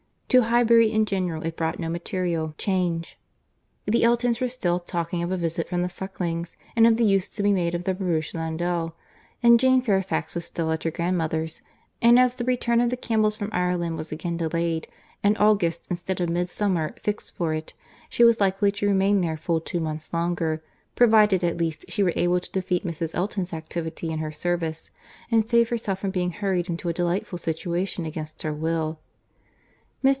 To Highbury in general it brought no material change. The Eltons were still talking of a visit from the Sucklings, and of the use to be made of their barouche landau; and Jane Fairfax was still at her grandmother's; and as the return of the Campbells from Ireland was again delayed, and August, instead of Midsummer, fixed for it, she was likely to remain there full two months longer, provided at least she were able to defeat Mrs. Elton's activity in her service, and save herself from being hurried into a delightful situation against her will. Mr.